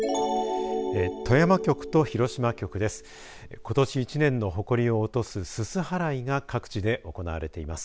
富山局と広島局です。